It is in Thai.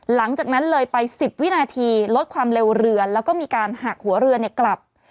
หลังจากนั้นเลยไป๑๐วินาทีลดความเร็วเรือแล้วก็มีการหักหัวเรือกลับ